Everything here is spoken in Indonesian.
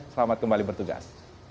selamat kembali bertugas